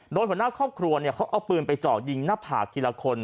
โดยหัวหน้าครอบครัวเขาเอาปืนไปเจาะยิงหน้าผากทีละคน